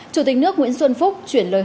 chủ tịch nước nguyễn xuân phúc chuyển lời hỏi